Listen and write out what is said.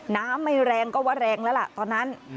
น้ำไม่แรงก็ว่าแรงแล้วล่ะตอนนั้น